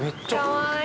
かわいい。